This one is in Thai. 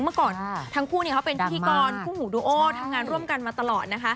เมื่อก่อนทั้งคู่เขาเป็นพิธีกรคู่หูดูโอทำงานร่วมกันมาตลอดนะคะ